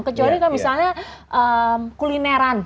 kecuali kan misalnya kulineran